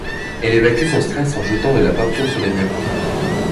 Elle évacue son stress en jetant de la peinture sur les murs.